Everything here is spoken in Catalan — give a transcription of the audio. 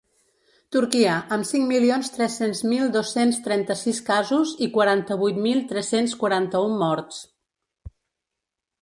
Turquia, amb cinc milions tres-cents mil dos-cents trenta-sis casos i quaranta-vuit mil tres-cents quaranta-un morts.